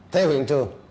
theo hiện trường